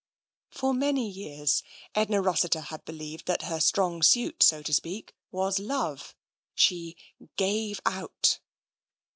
For many years Edna Rossiter had believed that her strong suit, so to speak, was Love. She " gave out."